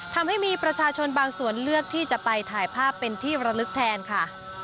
ทำให้มีประชาชนบางส่วนเลือกที่จะไปถ่ายภาพเป็นที่ระลึกแทนค่ะ